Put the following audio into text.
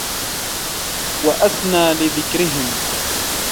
وَأَسْنَى لِذِكْرِهِمْ